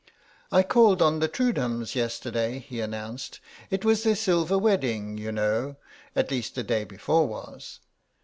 "I called on the Trudhams yesterday," he announced; "it was their Silver Wedding, you know, at least the day before was.